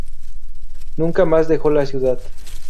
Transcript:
Nunca más dejó la ciudad.